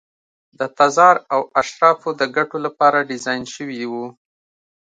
د تزار او اشرافو د ګټو لپاره ډیزاین شوي وو.